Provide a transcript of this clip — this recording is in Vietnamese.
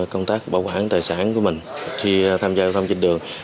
công tác bảo quản tài sản của mình khi tham gia phong trình đường